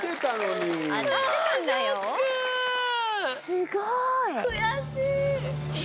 すごい！悔しい。